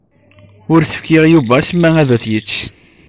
Ur as-fkiɣ i Yuba acemma ad t-yečč.